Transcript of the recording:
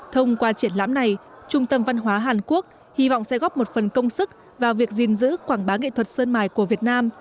thông qua triển lãm này trung tâm văn hóa hàn quốc hy vọng sẽ góp một phần công sức vào việc gìn giữ quảng bá nghệ thuật sơn mài của việt nam